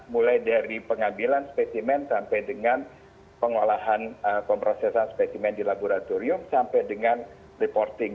mulai dari pengambilan spesimen sampai dengan pengolahan pemrosesan spesimen di laboratorium sampai dengan reporting